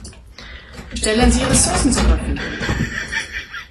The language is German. Stellen Sie Ressourcen zur Verfügung!